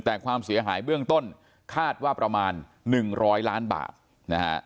แต่ความเสียหายเบื้องต้นคาดว่าประมาณ๑๐๐ล้านบาทนะฮะ